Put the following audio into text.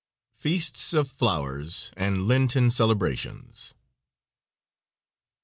FEAST OF FLOWERS AND LENTEN CELEBRATIONS.